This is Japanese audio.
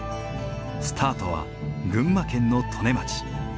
スタートは群馬県の利根町。